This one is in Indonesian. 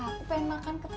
aku pengen makan ketoprak